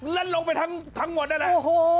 แล้วลงไปทั้งหมดนั่นแหละโอ้โห